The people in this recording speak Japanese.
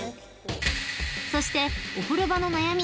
［そしてお風呂場の悩み